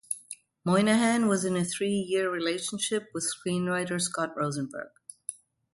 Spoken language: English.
Moynahan was in a three-year relationship with screenwriter Scott Rosenberg.